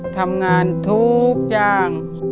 ทำงานทุกอย่าง